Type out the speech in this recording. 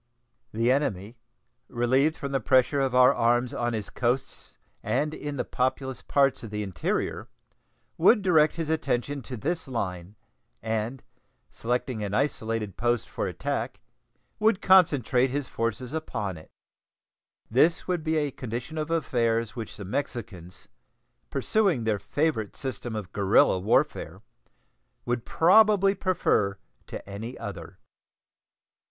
The enemy, relieved from the pressure of our arms on his coasts and in the populous parts of the interior, would direct his attention to this line, and, selecting an isolated post for attack, would concentrate his forces upon it. This would be a condition of affairs which the Mexicans, pursuing their favorite system of guerrilla warfare, would probably prefer to any other.